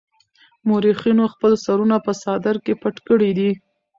مورخينو خپل سرونه په څادر کې پټ کړي دي.